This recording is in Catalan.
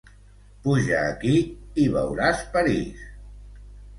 Puja aquí i veuràs París!